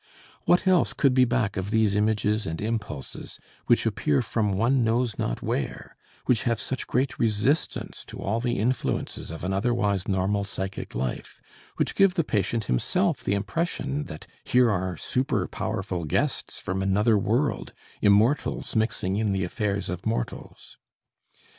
What else could be back of these images and impulses, which appear from one knows not where, which have such great resistance to all the influences of an otherwise normal psychic life; which give the patient himself the impression that here are super powerful guests from another world, immortals mixing in the affairs of mortals.